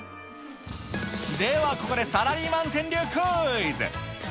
ではここでサラリーマン川柳クイズ。